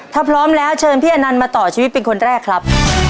ถ้าพร้อมแล้วเชิญพี่อนันต์มาต่อชีวิตเป็นคนแรกครับ